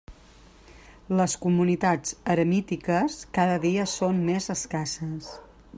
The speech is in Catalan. Les comunitats eremítiques cada dia són més escasses.